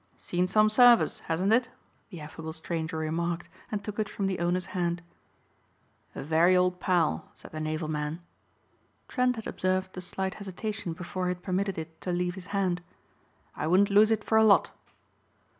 "Seen some service, hasn't it?" the affable stranger remarked and took it from the owner's hand. "A very old pal," said the naval man. Trent had observed the slight hesitation before he had permitted it to leave his hand. "I wouldn't lose it for a lot."